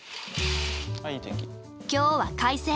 今日は快晴！